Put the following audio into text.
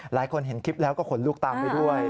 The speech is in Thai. หลายคนเห็นคลิปแล้วก็ขนลุกตามไปด้วย